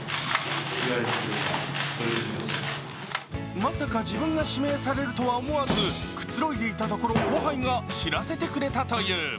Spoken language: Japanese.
まさか自分が指名されるとは思わず、くつろいでいたところ後輩が知らせてくれたという。